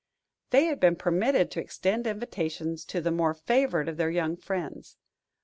They had been permitted to extend invitations to the more favored of their young friends.